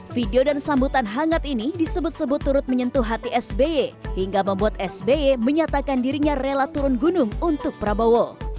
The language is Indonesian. video dan sambutan hangat ini disebut sebut turut menyentuh hati sby hingga membuat sby menyatakan dirinya rela turun gunung untuk prabowo